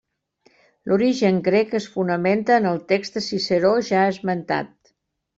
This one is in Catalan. L'origen grec es fonamenta en el text de Ciceró ja esmentat.